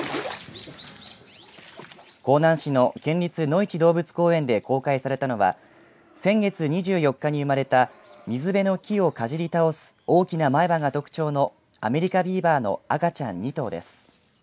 香南市の県立のいち動物公園で公開されたのは先月２４日に生まれた水辺の木をかじり倒す大きな前歯が特徴のアメリカビーバーの赤ちゃん２頭です。